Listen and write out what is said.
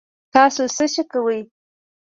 تاسو څه شئ کوی